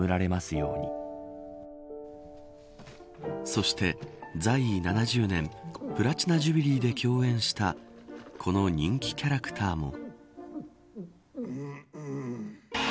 そして在位７０年プラチナ・ジュビリーで共演したこの人気キャラクターも。